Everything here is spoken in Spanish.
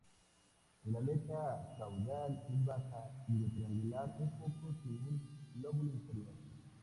El aleta caudal es baja y triangular un poco, sin un lóbulo inferior.